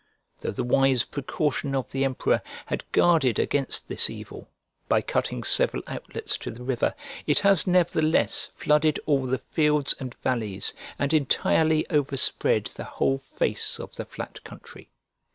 Though the wise precaution of the emperor had guarded against this evil, by cutting several outlets to the river, it has nevertheless flooded all the fields and valleys and entirely overspread the whole face of the flat country.